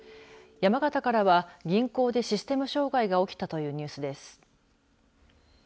山形からは銀行でシステム障害が起きたというニュースです。